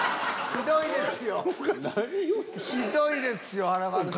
ひどいですよ華丸さん。